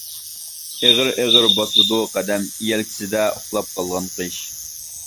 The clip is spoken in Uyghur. ئېغىر-ئېغىر باسىدۇ قەدەم، يەلكىسىدە ئۇخلاپ قالغان قىش.